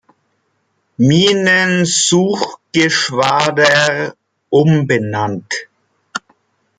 Minensuchgeschwader umbenannt.